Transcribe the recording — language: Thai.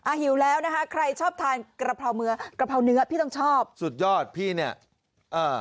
หิวแล้วนะคะใครชอบทานกะเพราเนื้อกะเพราเนื้อพี่ต้องชอบสุดยอดพี่เนี้ยอ่า